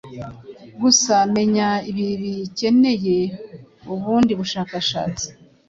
Gusa menya ibi bikeneye ubundi bushakashatsi